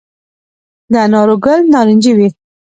د انارو ګل نارنجي وي؟